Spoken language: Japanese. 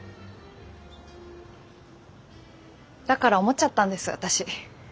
だから思っちゃったんです私。